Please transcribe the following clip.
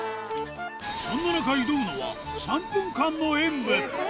そんな中挑むのは、３分間の演舞。